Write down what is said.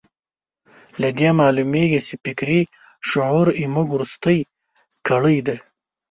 له دې معلومېږي چې فکري شعور زموږ وروستۍ کړۍ ده.